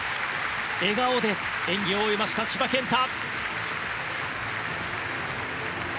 笑顔で演技を終えました千葉健太。